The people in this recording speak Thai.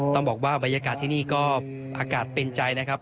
ต้องบอกว่าบรรยากาศที่นี่ก็อากาศเป็นใจนะครับ